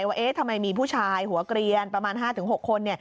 ว่าทำไมมีผู้ชายหัวเกลียนประมาณ๕๖คน